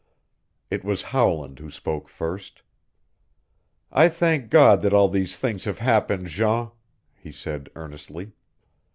It was Howland who spoke first. "I thank God that all these things have happened, Jean," he said earnestly.